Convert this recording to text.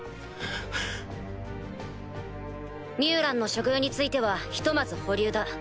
ミュウランの処遇についてはひとまず保留だ。